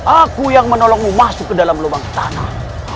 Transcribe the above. aku yang menolongmu masuk ke dalam lubang tanah